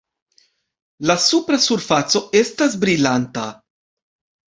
La supra surfaco estas brilanta.